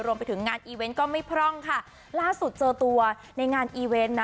รวมไปถึงงานอีเวนต์ก็ไม่พร่องค่ะล่าสุดเจอตัวในงานอีเวนต์นะ